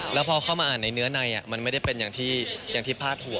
แล้วพอเข้ามาอ่านในเนื้อในมันไม่ได้เป็นอย่างที่พาดหัว